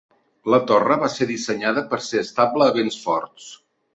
La torre va ser dissenyada per ser estable a vents forts.